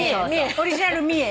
オリジナルミエ。